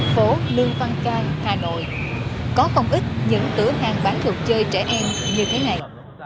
phố lương văn cai hà nội có công ích những tử hàng bán đồ chơi trẻ em như thế này